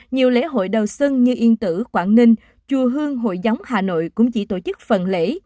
nhiều lễ hội đầu xuân như yên tử quảng ninh chùa hương hội gióng hà nội cũng chỉ tổ chức phần lễ